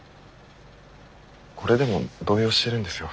これでも動揺してるんですよ